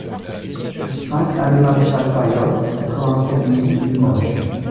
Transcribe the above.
cinq alléE Maréchal Fayolle, quatre-vingt-sept mille Limoges